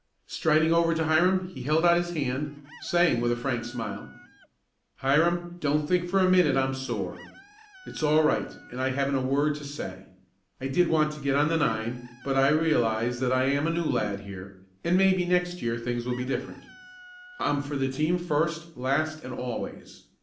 Striding over to Hiram he held out his hand, saying with a frank smile: "Hiram, don't think for a minute I'm sore. It's all right, and I haven't a word to say. I did want to get on the nine, but I realize that I am a new lad here, and maybe next year things will be different. I'm for the team first, last and always.